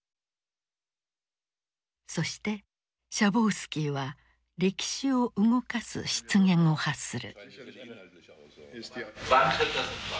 そしてシャボウスキーは歴史を動かす失言を発する。